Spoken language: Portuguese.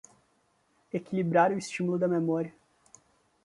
Equilibrar o estímulo da memória